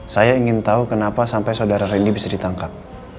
saya ingin tahu kenapa sampai saudara randy bisa ditangkap